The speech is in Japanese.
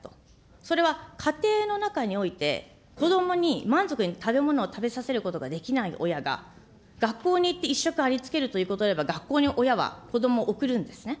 それは家庭の中において、子どもに満足に食べものを食べさせることができない親が、学校に行って１食ありつけるということで学校に親は子どもを送るんですね。